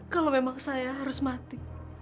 kalau memang saya harus mati